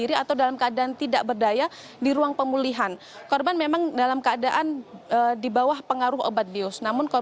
ini yang seharusnya